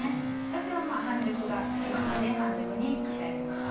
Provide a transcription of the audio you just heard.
私は半熟が好きなので半熟に仕上げます。